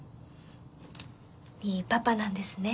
いいパパなんですね。